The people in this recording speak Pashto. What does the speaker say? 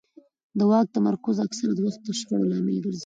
د واک تمرکز اکثره وخت د شخړو لامل ګرځي